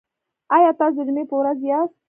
ایا تاسو د جمعې په ورځ یاست؟